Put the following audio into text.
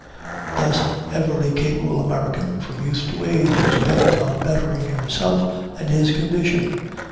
Thus every capable American, from youth to age, is bent on bettering himself and his condition.